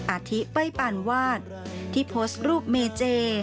อาทิเป้ยปานวาดที่โพสต์รูปเมเจ